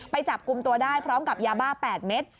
จับกลุ่มตัวได้พร้อมกับยาบ้า๘เม็ด